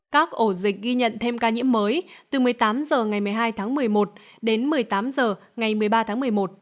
các ổ dịch ghi nhận thêm ca nhiễm mới từ một mươi tám h ngày một mươi hai tháng một mươi một đến một mươi tám h ngày một mươi ba tháng một mươi một